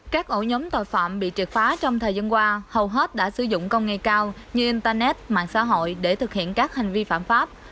các ổ nhóm tội phạm bị triệt phá trong thời gian qua hầu hết đã sử dụng công nghệ cao như internet mạng xã hội để thực hiện các hành vi phạm pháp